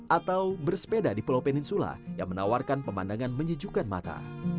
atau bersepeda di pulau peninsula yang menawarkan pemandangan menyejukkan mata